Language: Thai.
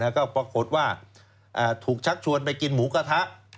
ก็ปรากฏว่าถูกชักชวนไปกินหมูกระทะ